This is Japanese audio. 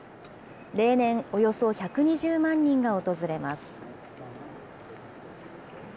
例年、およそ１２０万人が訪れます。